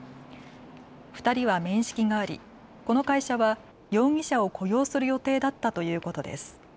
２人は面識がありこの会社は容疑者を雇用する予定だったということです。